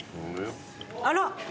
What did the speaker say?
あら！